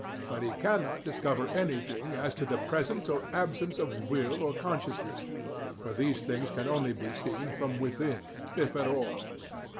But he cannot discover anything as to the presence or absence of "will" or "consciousness," for these things can only be seen from within, if at all.